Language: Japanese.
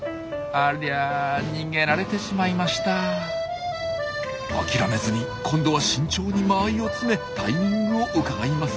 あきらめずに今度は慎重に間合いを詰めタイミングをうかがいます。